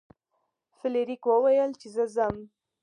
فلیریک وویل چې زه ځم.